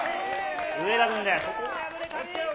上田軍です。